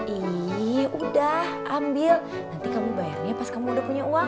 ihh udah ambil nanti kamu bayarin ya pas kamu udah punya uang